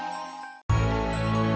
senang beloved ni aku